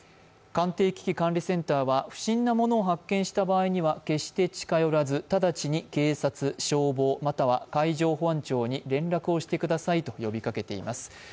官邸危機管理センターは、不審な物を発見した場合には、決して近寄らず、直ちに警察、消防、または海上保安庁に連絡をしてくださいと呼びかけています。